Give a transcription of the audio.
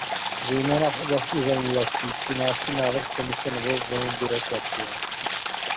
Zejména v oblasti zemědělství přináší návrh Komise novou vlnu byrokracie.